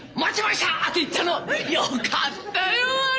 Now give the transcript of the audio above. よかったよあれ。